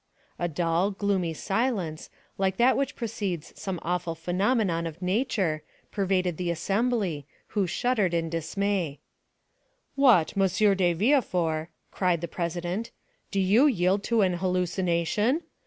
A dull, gloomy silence, like that which precedes some awful phenomenon of nature, pervaded the assembly, who shuddered in dismay. "What, M. de Villefort," cried the president, "do you yield to an hallucination?